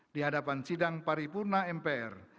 di hadapan sidang paripurna mpr